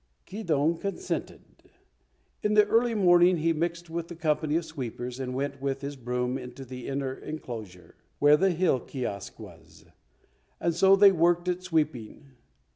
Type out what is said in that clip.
Keydong consented. In the early morning he mixed with the company of sweepers and went with his broom into the inner enclosure, where the Hill Kiosk was, and so they worked at sweeping.